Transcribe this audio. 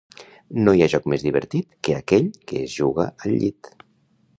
No hi ha joc més divertit que aquell que es juga al llit.